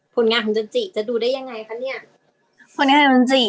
ผลงานของจันจิจะดูได้ยังไงคะเนี่ย